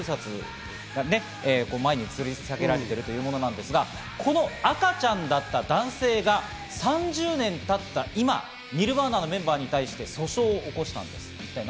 裸の赤ちゃんが水中で１ドル札が前につり下げられてるというものですが、この赤ちゃんだった男性が３０年たった今、ニルヴァーナのメンバーに対して訴訟を起こしたんです。